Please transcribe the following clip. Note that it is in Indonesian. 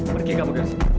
pergi kamu dari sini